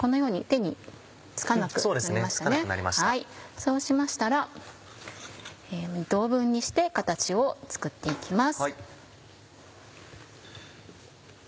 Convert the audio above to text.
そうしましたら２等分にして形を作って行きます。